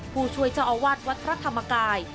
ผู้ช่วยเจ้าอาวาสวัดพระธรรมกาย